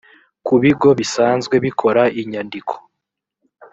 ku bigo bisanzwe bikora inyandiko